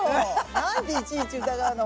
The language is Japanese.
何でいちいち疑うの？